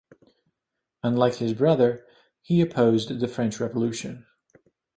Unlike his brother, he opposed the French Revolution.